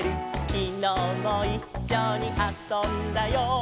「きのうもいっしょにあそんだよ」